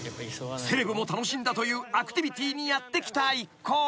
［セレブも楽しんだというアクティビティーにやって来た一行］